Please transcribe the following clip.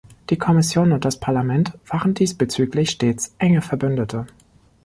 Die Kommission und das Parlament waren diesbezüglich stets enge Verbündete.